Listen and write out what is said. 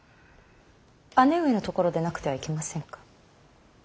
姉上のところでなくてはいけませんか。